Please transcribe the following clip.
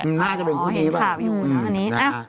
อ๋อเห็นค่ะอืออันนี้